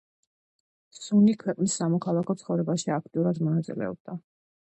სუნი ქვეყნის სამოქალაქო ცხოვრებაში აქტიურად მონაწილეობდა.